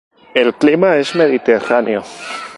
El clima es mediterráneo.